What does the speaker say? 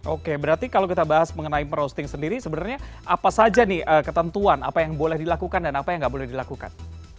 oke berarti kalau kita bahas mengenai proasting sendiri sebenarnya apa saja nih ketentuan apa yang boleh dilakukan dan apa yang nggak boleh dilakukan